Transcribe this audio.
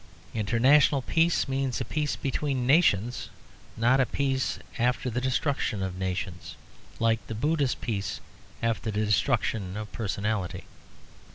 International peace means a peace between nations, not a peace after the destruction of nations, like the Buddhist peace after the destruction of personality.